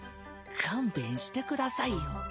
勘弁してくださいよ。